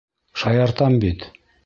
Шаяртам бит.